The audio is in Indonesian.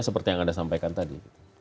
seperti yang anda sampaikan tadi